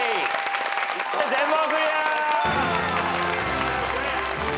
全問クリア！